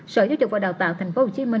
sở giáo dục và đào tạo tp hcm